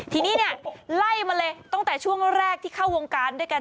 ทีนี้เนี่ยไล่มาเลยตั้งแต่ช่วงแรกที่เข้าวงการด้วยกัน